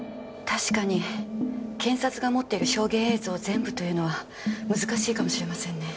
確かに検察が持っている証言映像を全部というのは難しいかもしれませんね。